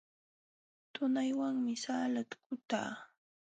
Tunaywanmi salata kutaa.